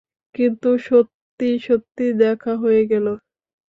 কিন্তু সত্যি-সত্যি দেখা হয়ে গেল।